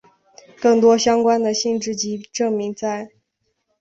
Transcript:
更多相关的性质及证明在。